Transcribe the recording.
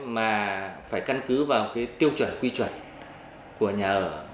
mà phải căn cứ vào cái tiêu chuẩn quy chuẩn của nhà ở